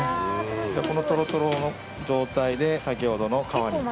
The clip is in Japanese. このトロトロの状態で先ほどの皮に。